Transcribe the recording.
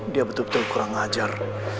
dia betul betul kurang ajar